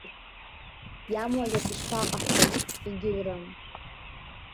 Иамуазар ишԥаҟаҳҵари, егьаурым.